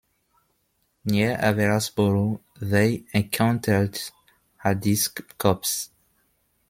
Near Averasborough, they encountered Hardee's corps.